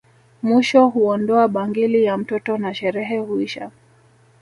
Mwisho huondoa bangili ya mtoto na sherehe huisha